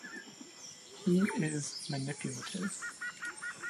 He is manipulative.